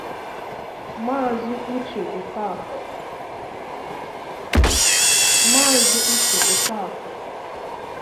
Maazị Uche Okafor